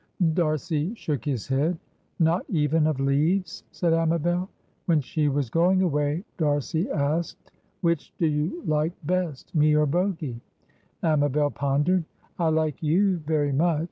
D'Arcy shook his head. "Not even of leaves?" said Amabel. When she was going away, D'Arcy asked, "Which do you like best, me or Bogy?" Amabel pondered. "I like you very much.